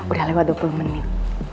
udah lewat dua puluh menit